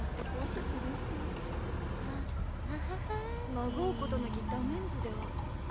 まごうことなきダメンズでは。